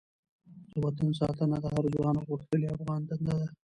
د وطن ساتنه د هر ځوان او غښتلې افغان دنده ده.